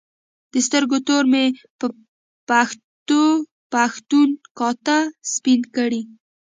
د سترګو تور مې په پښتو پښتون کاته سپین کړي